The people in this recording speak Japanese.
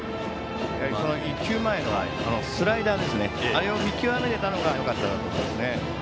１球前のスライダーがありましたがあれを見極められたのがよかったと思います。